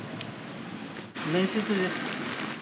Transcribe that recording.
面接です。